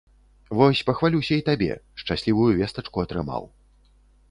Вось пахвалюся і табе, шчаслівую вестачку атрымаў.